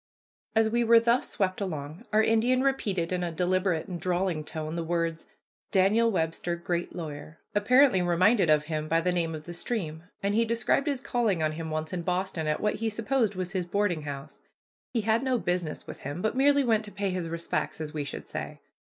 As we were thus swept along, our Indian repeated in a deliberate and drawling tone the words, "Daniel Webster, great lawyer," apparently reminded of him by the name of the stream, and he described his calling on him once in Boston at what he supposed was his boarding house. He had no business with him but merely went to pay his respects, as we should say.